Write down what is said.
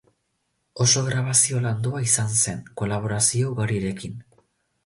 Oso grabazio landua izan zen, kolaborazio ugarirekin.